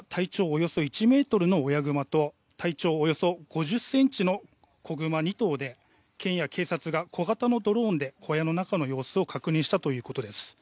およそ１ｍの親グマと体長およそ５０ｃｍの子グマ２頭で県や警察が小型のドローンで小屋の中の様子を確認したということです。